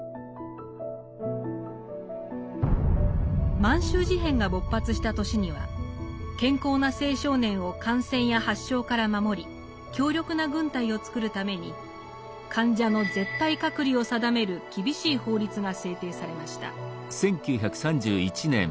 満州事変が勃発した年には健康な青少年を感染や発症から守り強力な軍隊を作るために患者の絶対隔離を定める厳しい法律が制定されました。